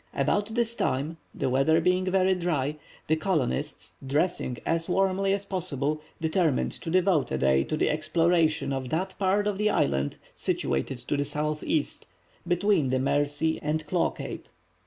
About this time the weather being very dry, the colonists, dressing as warmly as possible, determined to devote a day to the exploration of that part of the island situated to the southeast, between the Mercy and Claw Cape.